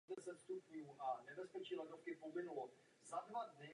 Součástí objektu je rovněž restaurace.